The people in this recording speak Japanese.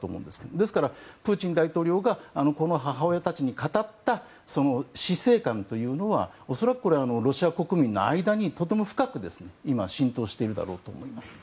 ですから、プーチン大統領がこの母親たちに語った死生観というのは恐らくロシア国民の間にとても深く、今浸透しているだろうと思います。